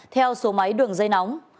theo số máy đường dây nóng